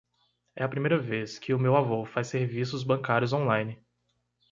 É a primeira vez que o meu avô faz serviços bancários online.